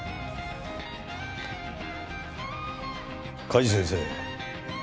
加地先生。